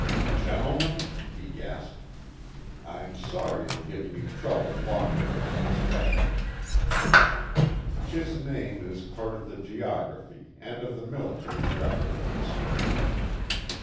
Gentlemen," he gasped, " I'm sorry I'm giving you trouble longer than I expected." His name is part of the geography and of the military record of his country.